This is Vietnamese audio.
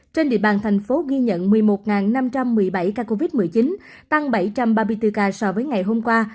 trên địa bàn thành phố ghi nhận một mươi một năm trăm một mươi bảy ca covid một mươi chín tăng bảy trăm ba mươi bốn ca so với ngày hôm qua